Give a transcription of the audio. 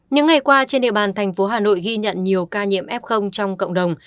những ngày qua trên địa bàn thành phố hà nội ghi nhận nhiều ca nhiễm f trong cộng đồng